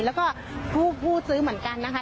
แล้วก็ผู้ซื้อเหมือนกันนะคะ